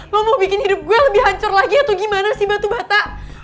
lo mau bikin hidup gue lebih hancur lagi atau gimana sih batu bata